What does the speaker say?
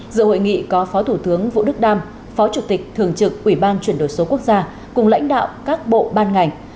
giữa hội nghị có phó thủ tướng vũ đức đam phó chủ tịch thường trực ủy ban chuyển đổi số quốc gia cùng lãnh đạo các bộ ban ngành